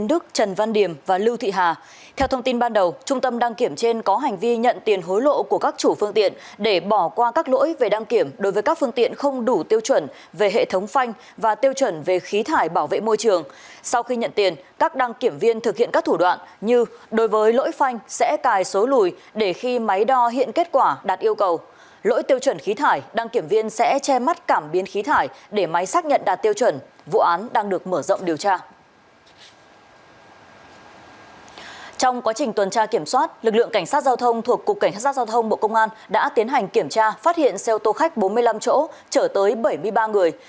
tổ cảnh sát giao thông thuộc cục cảnh sát giao thông bộ công an đã tiến hành kiểm tra phát hiện xeo tô khách bốn mươi năm chỗ trở tới bảy mươi ba người